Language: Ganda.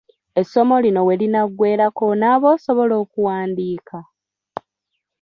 Essomo lino we linaggweerako onooba osobola okuwandiika?